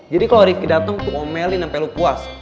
jadi kalau rifki datang untuk ngomelin sampai lo puas